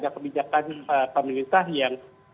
kebijakan pemerintah yang